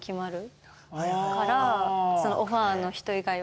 オファーの人以外は。